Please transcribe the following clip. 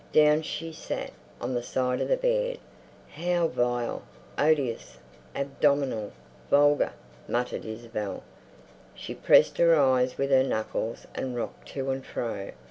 Down she sat on the side of the bed. "How vile, odious, abominable, vulgar," muttered Isabel. She pressed her eyes with her knuckles and rocked to and fro.